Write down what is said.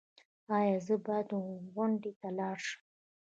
ایا زه باید غونډې ته لاړ شم؟